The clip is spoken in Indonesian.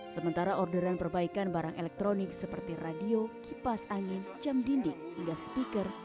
sementara orderan perbaikan barang elektronik seperti radio kipas angin jam dinding hingga speaker